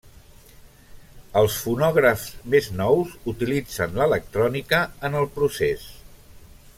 Els fonògrafs més nous utilitzen l'electrònica en el procés.